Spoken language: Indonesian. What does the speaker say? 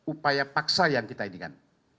upaya paksa yang kita inginkan